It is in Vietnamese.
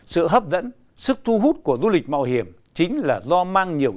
sự hấp dẫn sức thu hút của du lịch mạo hiểm chính là do mang nhiều